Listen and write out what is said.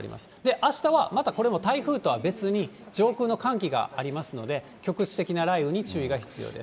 あしたはまたこれは台風とは別に、上空の寒気がありますので、局地的な雷雨に注意が必要です。